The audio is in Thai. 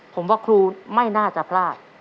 ผมว่าครูไม่น่าจะพลาด